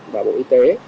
và bộ y tế